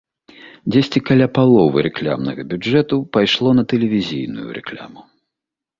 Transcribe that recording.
Дзесьці каля паловы рэкламнага бюджэту пайшло на тэлевізійную рэкламу.